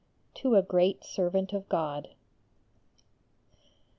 _To a great Servant of God.